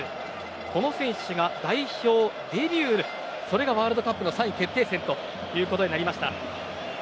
この選手が代表デビューそれがワールドカップの３位決定戦となりました。